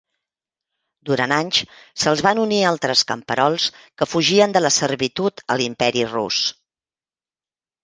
Durant anys se'ls van unir altres camperols que fugien de la servitud a l'Imperi rus.